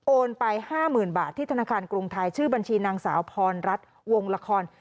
ไป๕๐๐๐บาทที่ธนาคารกรุงไทยชื่อบัญชีนางสาวพรรัฐวงละคร